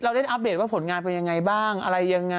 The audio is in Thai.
ได้อัปเดตว่าผลงานเป็นยังไงบ้างอะไรยังไง